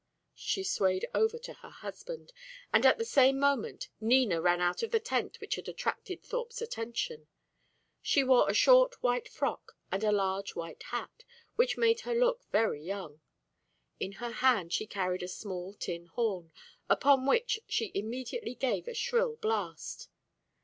_" She swayed over to her husband; and at the same moment Nina ran out of the tent which had attracted Thorpe's attention. She wore a short white frock and a large white hat, which made her look very young. In her hand she carried a small tin horn, upon which she immediately gave a shrill blast.